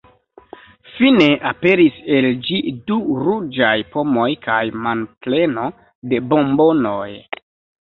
Fine aperis el ĝi du ruĝaj pomoj kaj manpleno da bombonoj.